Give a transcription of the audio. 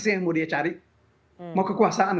saya yang mau dia cari kekuasaan